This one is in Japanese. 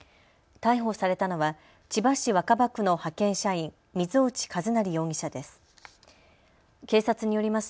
逮捕されたのは千葉市若葉区の派遣社員、水落一成容疑者です。